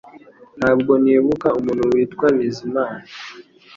Ntabwo nibuka umuntu witwa Bizimana